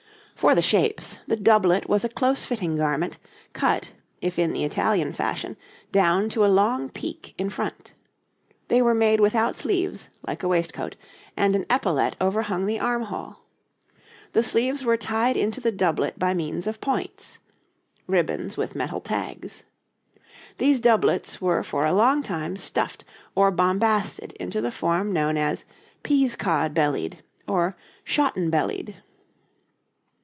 For the shapes, the doublet was a close fitting garment, cut, if in the Italian fashion, down to a long peak in front. They were made without sleeves, like a waistcoat, and an epaulette overhung the armhole. The sleeves were tied into the doublet by means of points (ribbons with metal tags). These doublets were for a long time stuffed or bombasted into the form known as 'pea's cod bellied' or 'shotten bellied.'